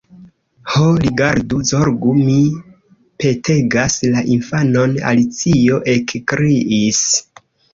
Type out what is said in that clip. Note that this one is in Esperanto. "Ho, rigardu, zorgu,—mi petegas—la infanon!" Alicio ekkriis.